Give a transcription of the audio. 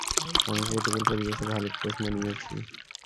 আমি প্রতিকূল পরিবেশে ভালুক পোষ মানিয়েছি।